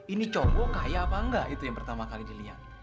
ini cowok kaya apa engga itu yang pertama kali diliat